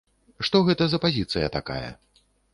Што гэта за пазіцыя такая?